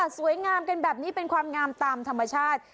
สวยงามกันแบบนี้เป็นความงามตามธรรมชาติ